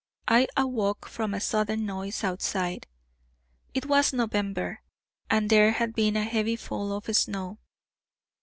I awoke from a sudden noise outside. It was November, and there had been a heavy fall of snow.